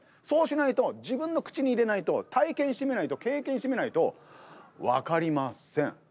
そうしないと自分の口に入れないと体験してみないと経験してみないと分かりません。